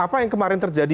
apa yang kemarin terjadi